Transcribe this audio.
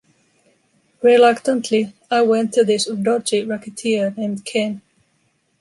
Reluctantly, I went to this dodgy racketeer named Ken.